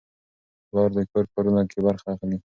پلار د کور کارونو کې برخه اخلي.